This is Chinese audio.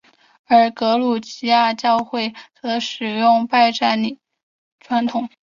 而格鲁吉亚正教会则使用拜占庭礼传统。